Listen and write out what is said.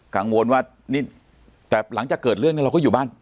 กังวลว่านี่แต่หลังจากเกิดเรื่องเนี่ยเราก็อยู่บ้าน